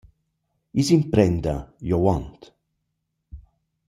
I s’imprenda giovand.